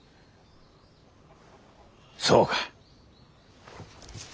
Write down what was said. そうか。